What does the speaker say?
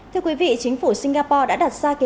thưa quý vị chính phủ singapore đã đặt sản xuất lương thực